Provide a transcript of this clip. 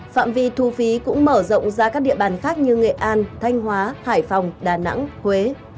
phạm vi thu phí cũng mở rộng ra các địa bàn khác như nghệ an thanh hóa hải phòng đà nẵng huế